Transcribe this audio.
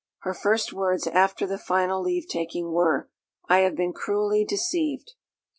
Her first words after the final leavetaking were, "I have been cruelly deceived."